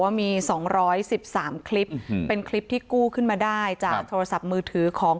มี๒๑๓คลิปเป็นคลิปที่กู้ขึ้นมาได้จากโทรศัพท์มือถือของ